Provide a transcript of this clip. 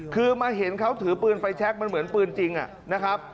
คือมาเห็นเขาถือปืนไฟแชคมันเหมือนปืนจริงนะครับ